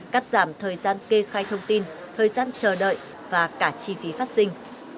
cắt giảm thời gian kê khai thông tin thời gian chờ đợi và cả chi phí phát sinh